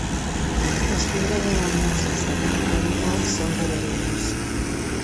Les pedres arenoses de bona qualitat són duradores.